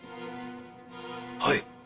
はい。